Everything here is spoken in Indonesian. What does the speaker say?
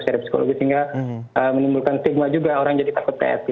sehingga menimbulkan stigma juga orang jadi takut tes